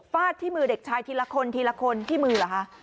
ฟาดที่มือเด็กชายทีละคนทีละคนที่มือเหรอคะ